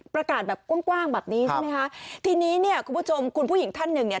ประกาศแบบกว้างกว้างแบบนี้ใช่ไหมคะทีนี้เนี่ยคุณผู้ชมคุณผู้หญิงท่านหนึ่งเนี่ย